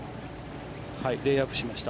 はい、レイアップしました。